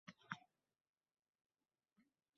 Qishloqni sog‘ingansiz aka borib kelmaymizmi